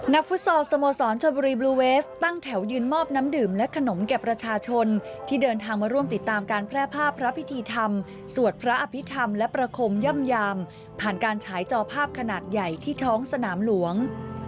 ฟุตซอลสโมสรชนบุรีบลูเวฟตั้งแถวยืนมอบน้ำดื่มและขนมแก่ประชาชนที่เดินทางมาร่วมติดตามการแพร่ภาพพระพิธีธรรมสวดพระอภิษฐรรมและประคมย่ำยามผ่านการฉายจอภาพขนาดใหญ่ที่ท้องสนามหลวง